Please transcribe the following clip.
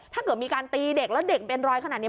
ถ้าเกิดมีการตีเด็กแล้วเด็กเป็นรอยขนาดนี้